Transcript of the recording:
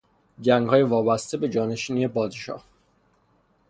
جنگهای وابسته به جانشینی پادشاه